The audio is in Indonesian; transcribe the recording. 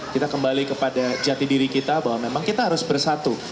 kita kembali kepada jati diri kita bahwa memang kita harus bersatu